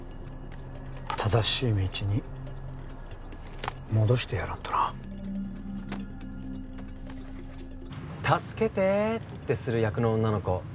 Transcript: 正しい道に戻してやらんとな「助けて」ってする役の女の子